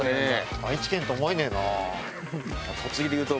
愛知県とは思えねえな。